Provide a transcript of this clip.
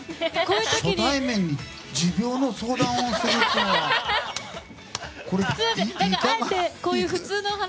初対面で持病の相談をするっていうのは。